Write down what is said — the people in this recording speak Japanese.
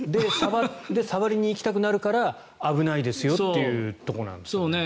で、触りに行きたくなるから危ないですよというところなんですよね。